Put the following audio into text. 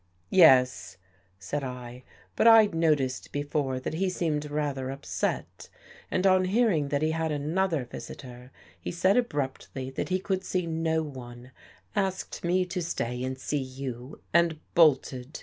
"" Yes," said 1. " But I'd noticed before that he seemed rather upset. And, on hearing that he had another visitor, he said abruptly that he could see no one, asked me to stay and see you, and bolted.